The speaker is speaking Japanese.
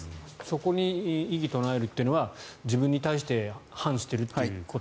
そこに異議を唱えるというのは自分に対して反しているということだと。